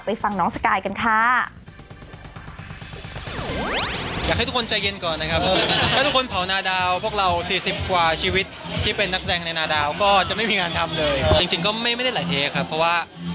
ฟังน้องสกายกันค่ะ